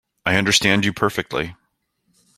I understand you perfectly.